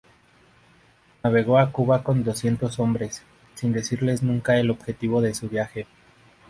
Navegó a Cuba con doscientos hombres, sin decirles nunca el objetivo de su viaje.